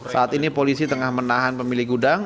saat ini polisi tengah menahan pemilik gudang